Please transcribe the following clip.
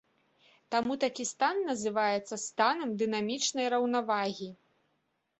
Таму такі стан называецца станам дынамічнай раўнавагі.